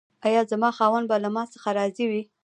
ایا زما خاوند به له ما څخه راضي وي؟